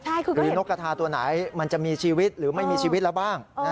หรือนกกระทาตัวไหนมันจะมีชีวิตหรือไม่มีชีวิตแล้วบ้าง